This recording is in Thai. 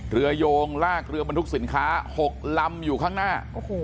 โยงลากเรือบรรทุกสินค้า๖ลำอยู่ข้างหน้า